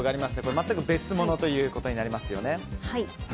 全く別物ということになりますね。